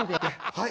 はい。